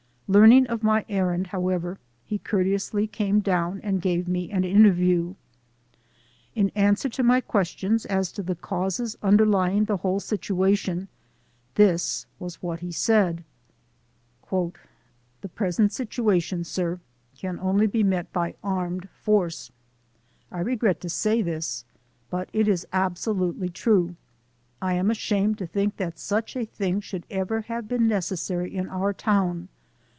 Learning of my errand, however, he courteously came down and gave me an interview. In answer to my questions as to the causes under lying the whole situation, this was what he said : "The present situation, sir, can only be met by armed force. I regret to say this, but it is abso lutely true. I am ashamed to think that such a thing should ever have been necessary in our town.